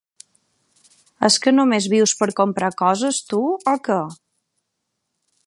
És que només vius per comprar coses, tu, o què?